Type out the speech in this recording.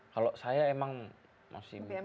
kalau saya emang masih muda